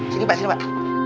sini pak sini pak